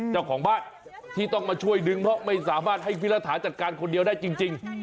เจ้าของบ้านที่ต้องมาช่วยดึงเพราะไม่สามารถให้พี่รัฐาจัดการคนเดียวได้จริง